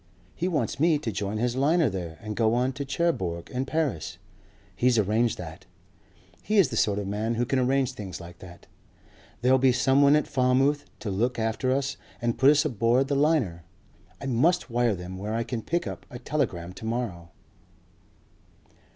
He wants me to join his liner there and go on to Cherbourg and Paris. He's arranged that. He is the sort of man who can arrange things like that. There'll be someone at Falmouth to look after us and put us aboard the liner. I must wire them where I can pick up a telegram to morrow."